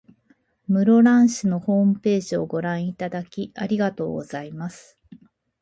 室蘭市のホームページをご覧いただき、ありがとうございます。